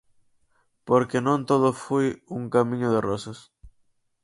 Porque non todo foi un camiño de rosas.